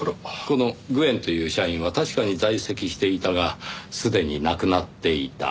このグエンという社員は確かに在籍していたがすでに亡くなっていた。